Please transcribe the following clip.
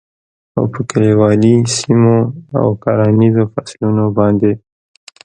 خو په کلیوالي سیمو او کرهنیزو فصلونو باندې